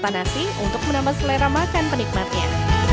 panasnya untuk menambah selera makan penikmatnya